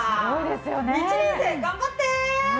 １年生、頑張って！